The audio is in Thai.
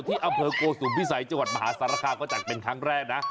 ที่อำเภอโกสุมพิสัยจังหวัดมหาสารคามก็จัดเป็นครั้งแรกนะ